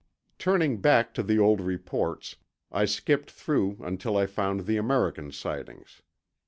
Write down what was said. Turning back to the old reports, I skipped through until I found the American sightings.